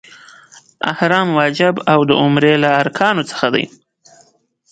احرام واجب او د عمرې له ارکانو څخه دی.